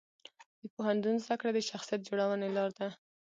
د پوهنتون زده کړه د شخصیت جوړونې لار ده.